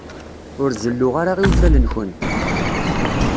Ur zelluɣ ara iwtal-nkent.